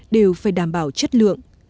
điều phải đảm bảo chất lượng